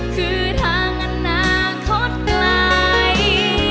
คือทางอนาคตไกล